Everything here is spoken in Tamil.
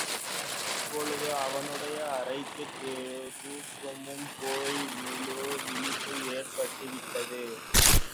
இப்பொழுது அவனுடைய அரைகுறைத் தூக்கமும் போய் முழு விழிப்பு ஏற்பட்டு விட்டது.